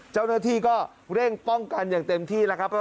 เจ้าหน้าที่ก็เร่งป้องกันอย่างเต็มที่แล้วครับ